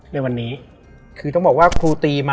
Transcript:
และวันนี้แขกรับเชิญที่จะมาเชิญที่เรา